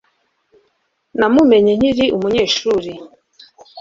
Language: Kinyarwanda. Namumenye nkiri umunyeshuri